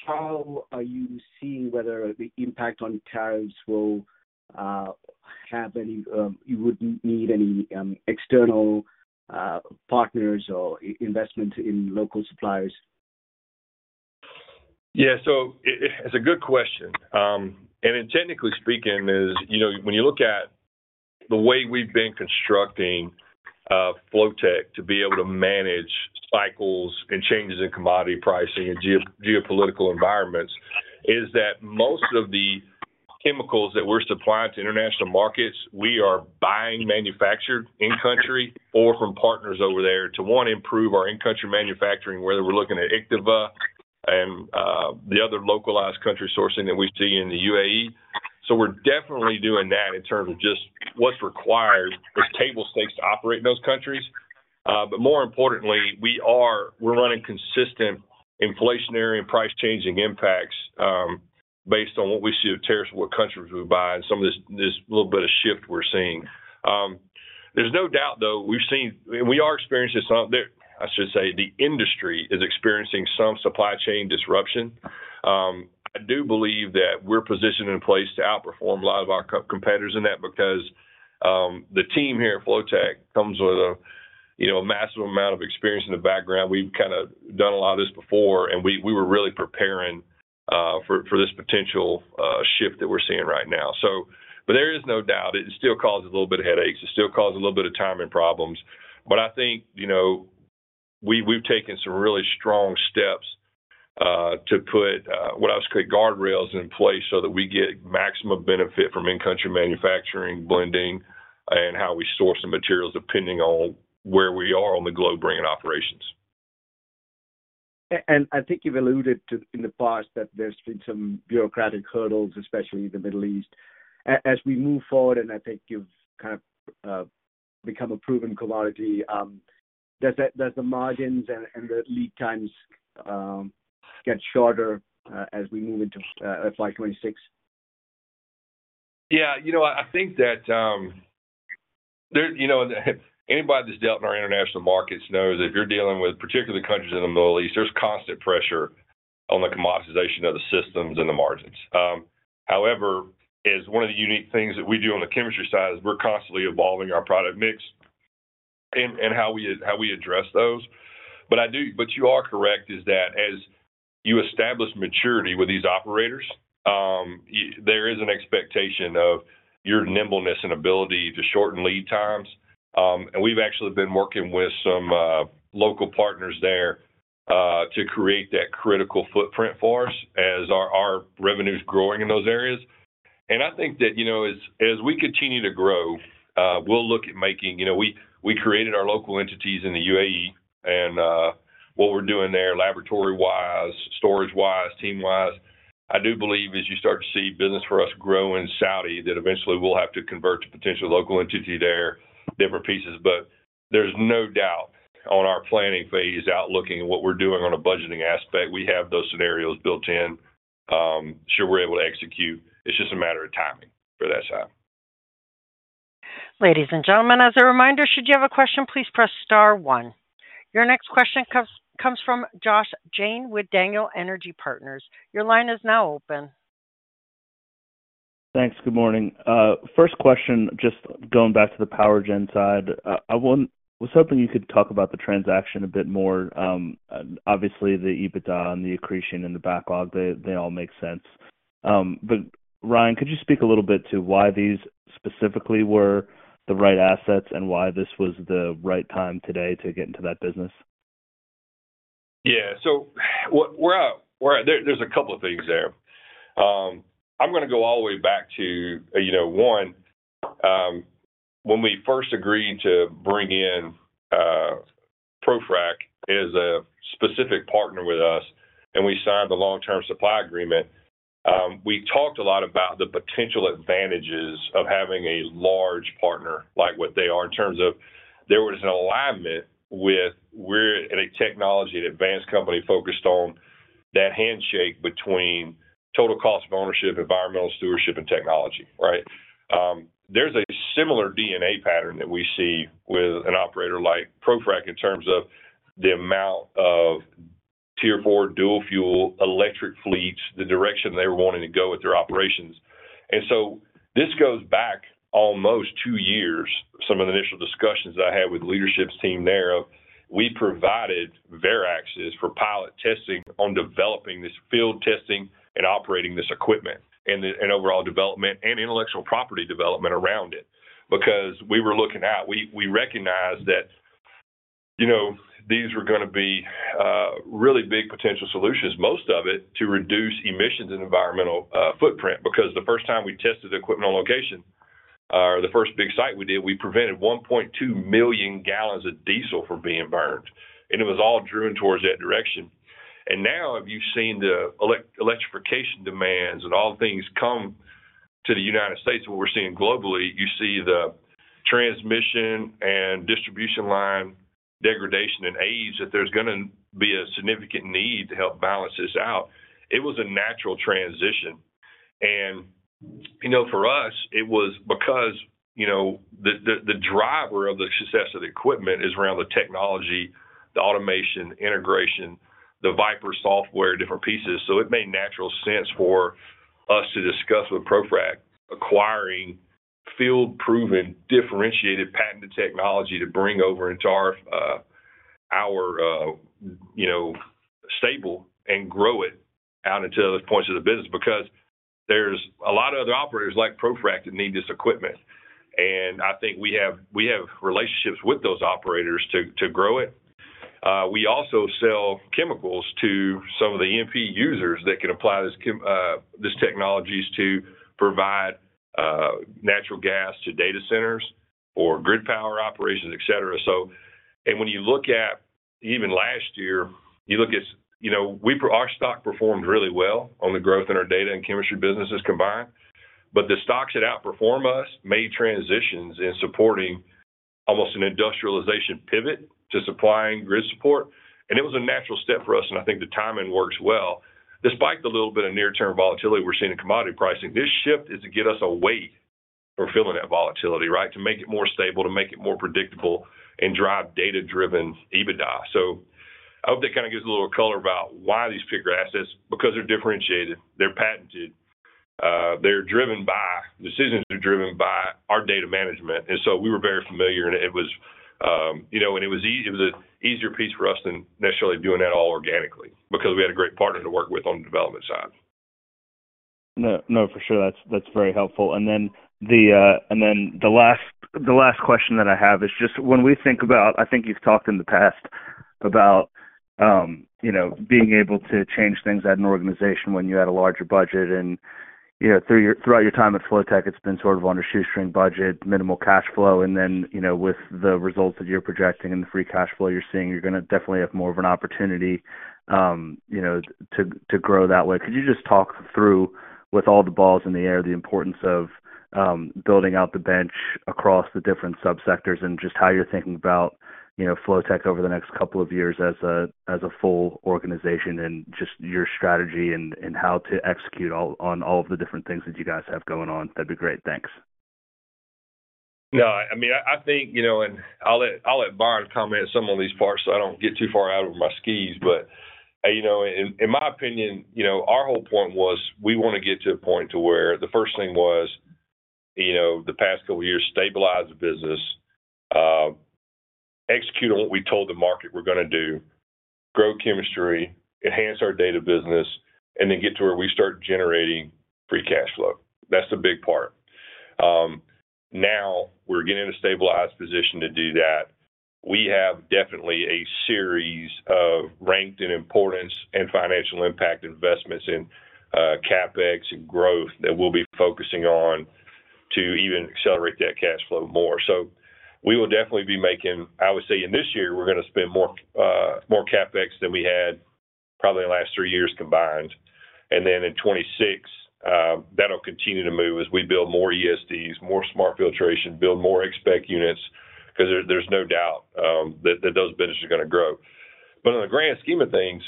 how are you seeing whether the impact on tariffs will have any you wouldn't need any external partners or investment in local suppliers?
Yeah. It's a good question. Technically speaking, when you look at the way we've been constructing Flotek to be able to manage cycles and changes in commodity pricing and geopolitical environments, most of the chemicals that we're supplying to international markets, we are buying manufactured in-country or from partners over there to, one, improve our in-country manufacturing, whether we're looking at ICTEVA and the other localized country sourcing that we see in the UAE. We're definitely doing that in terms of just what's required, what table stakes to operate in those countries. More importantly, we're running consistent inflationary and price-changing impacts based on what we see of tariffs and what countries we buy, and some of this little bit of shift we're seeing. There's no doubt, though, we are experiencing some, I should say the industry is experiencing some, supply chain disruption. I do believe that we're positioned in a place to outperform a lot of our competitors in that because the team here at Flotek comes with a massive amount of experience in the background. We've kind of done a lot of this before, and we were really preparing for this potential shift that we're seeing right now. There is no doubt it still causes a little bit of headaches. It still causes a little bit of timing problems. I think we've taken some really strong steps to put what I would say guardrails in place so that we get maximum benefit from in-country manufacturing, blending, and how we source the materials depending on where we are on the globe bringing operations.
I think you've alluded to in the past that there's been some bureaucratic hurdles, especially in the Middle East. As we move forward, and I think you've kind of become a proven commodity, do the margins and the lead times get shorter as we move into FY2026?
Yeah. I think that anybody that's dealt in our international markets knows that if you're dealing with particular countries in the Middle East, there's constant pressure on the commoditization of the systems and the margins. However, as one of the unique things that we do on the chemistry side, we're constantly evolving our product mix and how we address those. You are correct is that as you establish maturity with these operators, there is an expectation of your nimbleness and ability to shorten lead times. We've actually been working with some local partners there to create that critical footprint for us as our revenue is growing in those areas. I think that as we continue to grow, we'll look at making we created our local entities in the UAE, and what we're doing there, laboratory-wise, storage-wise, team-wise, I do believe as you start to see business for us grow in Saudi, that eventually we'll have to convert to potentially local entity there, different pieces. But there's no doubt on our planning phase outlooking and what we're doing on a budgeting aspect, we have those scenarios built in. Sure, we're able to execute. It's just a matter of timing for that side.
Ladies and gentlemen, as a reminder, should you have a question, please press star one. Your next question comes from Josh Jayne with Daniel Energy Partners. Your line is now open.
Thanks. Good morning. First question, just going back to the power gen side, I was hoping you could talk about the transaction a bit more. Obviously, the EBITDA and the accretion and the backlog, they all make sense. But Ryan, could you speak a little bit to why these specifically were the right assets and why this was the right time today to get into that business?
Yeah. So there's a couple of things there. I'm going to go all the way back to, one, when we first agreed to bring in ProFrac as a specific partner with us, and we signed the long-term supply agreement, we talked a lot about the potential advantages of having a large partner like what they are in terms of there was an alignment with we're at a technology and advanced company focused on that handshake between total cost of ownership, environmental stewardship, and technology, right? There's a similar DNA pattern that we see with an operator like ProFrac in terms of the amount of tier four dual fuel electric fleets, the direction they were wanting to go with their operations. This goes back almost two years, some of the initial discussions that I had with the leadership team there of we provided Varex Analyzers for pilot testing on developing this field testing and operating this equipment and overall development and intellectual property development around it because we were looking at we recognized that these were going to be really big potential solutions, most of it to reduce emissions and environmental footprint because the first time we tested equipment on location, or the first big site we did, we prevented 1.2 million gallons of diesel from being burned. It was all driven towards that direction. Now, if you've seen the electrification demands and all things come to the United States, what we're seeing globally, you see the transmission and distribution line degradation and age that there's going to be a significant need to help balance this out. It was a natural transition. For us, it was because the driver of the success of the equipment is around the technology, the automation, integration, the Viper software, different pieces. It made natural sense for us to discuss with ProFrac acquiring field-proven differentiated patented technology to bring over into our stable and grow it out into other points of the business because there are a lot of other operators like ProFrac that need this equipment. I think we have relationships with those operators to grow it. We also sell chemicals to some of the E&P users that can apply this technology to provide natural gas to data centers or grid power operations, etc. When you look at even last year, you look at our stock performed really well on the growth in our data and chemistry businesses combined. The stocks that outperform us made transitions in supporting almost an industrialization pivot to supplying grid support. It was a natural step for us. I think the timing works well. Despite the little bit of near-term volatility we are seeing in commodity pricing, this shift is to get us a way for filling that volatility, right, to make it more stable, to make it more predictable, and drive data-driven EBITDA. I hope that kind of gives a little color about why these particular assets, because they are differentiated, they are patented, they are driven by decisions that are driven by our data management. We were very familiar, and it was an easier piece for us than necessarily doing that all organically because we had a great partner to work with on the development side.
No, for sure. That is very helpful. The last question that I have is just when we think about, I think you've talked in the past about being able to change things at an organization when you had a larger budget. Throughout your time at Flotek, it's been sort of on a shoestring budget, minimal cash flow. With the results that you're projecting and the free cash flow you're seeing, you're going to definitely have more of an opportunity to grow that way. Could you just talk through, with all the balls in the air, the importance of building out the bench across the different subsectors and just how you're thinking about Flotek over the next couple of years as a full organization and just your strategy and how to execute on all of the different things that you guys have going on? That'd be great. Thanks.
No, I mean, I think, and I'll let Ryan comment on some of these parts so I don't get too far out of my skis. In my opinion, our whole point was we want to get to a point to where the first thing was the past couple of years, stabilize the business, execute on what we told the market we're going to do, grow chemistry, enhance our data business, and then get to where we start generating free cash flow. That's the big part. Now, we're getting in a stabilized position to do that. We have definitely a series of ranked in importance and financial impact investments in CapEx and growth that we'll be focusing on to even accelerate that cash flow more. We will definitely be making, I would say, in this year, we're going to spend more CapEx than we had probably in the last three years combined. In 2026, that'll continue to move as we build more ESDs, more smart filtration, build more Xpect Units because there's no doubt that those businesses are going to grow. On the grand scheme of things,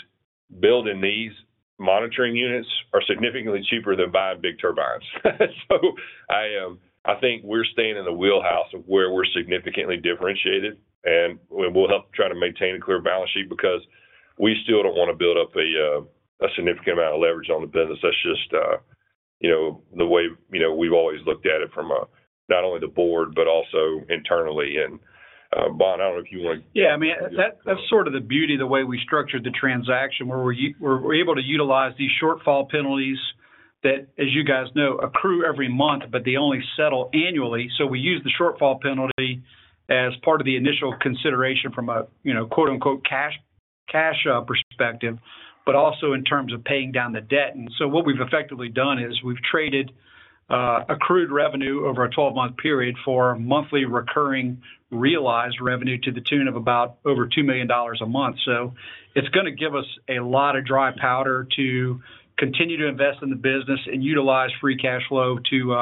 building these monitoring units is significantly cheaper than buying big turbines. I think we're staying in the wheelhouse of where we're significantly differentiated. We'll help try to maintain a clear balance sheet because we still don't want to build up a significant amount of leverage on the business. That's just the way we've always looked at it from not only the board, but also internally. Bond, I don't know if you want to.
Yeah. I mean, that's sort of the beauty of the way we structured the transaction where we were able to utilize these shortfall penalties that, as you guys know, accrue every month, but they only settle annually. We use the shortfall penalty as part of the initial consideration from a "cash perspective," but also in terms of paying down the debt. What we've effectively done is we've traded accrued revenue over a 12-month period for monthly recurring realized revenue to the tune of about over $2 million a month. It's going to give us a lot of dry powder to continue to invest in the business and utilize free cash flow to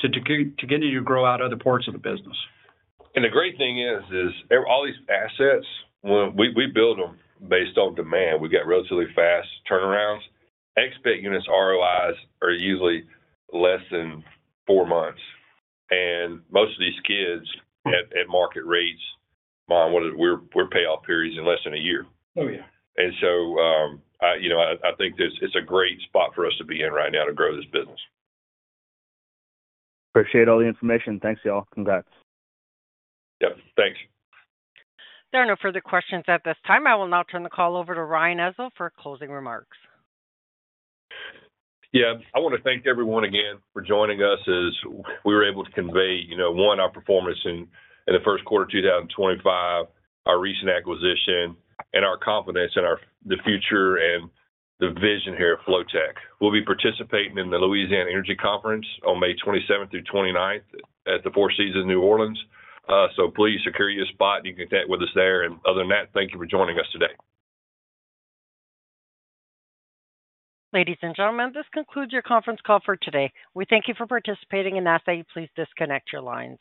continue to grow out other parts of the business.
The great thing is all these assets, we build them based on demand. We've got relatively fast turnarounds. Xpect Units ROIs are usually less than four months. Most of these skids at market rates, we're payoff periods in less than a year. I think it's a great spot for us to be in right now to grow this business.
Appreciate all the information. Thanks, y'all. Congrats.
Yep. Thanks.
There are no further questions at this time. I will now turn the call over to Ryan Ezell for closing remarks.
Yeah. I want to thank everyone again for joining us as we were able to convey, one, our performance in the first quarter of 2025, our recent acquisition, and our confidence in the future and the vision here at Flotek. We'll be participating in the Louisiana Energy Conference on May 27th through 29th at the Four Seasons New Orleans. Please secure your spot. You can connect with us there. Other than that, thank you for joining us today.
Ladies and gentlemen, this concludes your conference call for today. We thank you for participating and ask that you please disconnect your lines.